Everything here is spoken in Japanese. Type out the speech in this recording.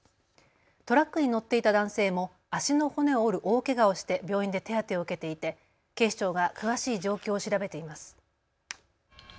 トラックに乗っていた男性も足の骨を折る大けがをして病院で手当てを受けていて警視庁が詳しい状況を調べています。